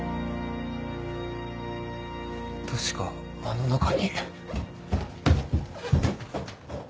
確かあの中に。